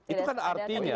itu kan artinya